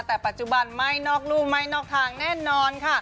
แต่ปัจจุบันไม่นอกรูไม่นอกทางแน่นอนค่ะ